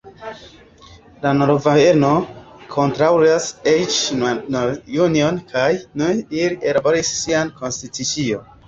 La norvegoj kontraŭstaris eĉ la malnovan union kaj nun ili ellaboris sian konstitucion.